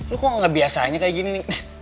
lu kok gak biasanya kayak gini nih